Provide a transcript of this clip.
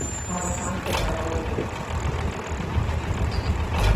Abafante para outros...